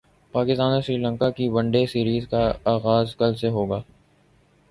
پاکستان اور سری لنکا کی one day series کا غاز کل سے ہو گا